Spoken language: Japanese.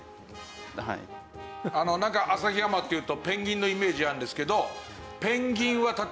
旭山っていうとペンギンのイメージなんですけど。